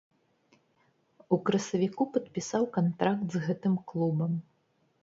У красавіку падпісаў кантракт з гэтым клубам.